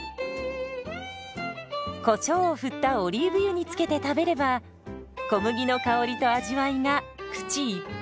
こしょうを振ったオリーブ油につけて食べれば小麦の香りと味わいが口いっぱい！